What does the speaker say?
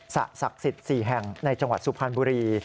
ศักดิ์สิทธิ์๔แห่งในจังหวัดสุพรรณบุรี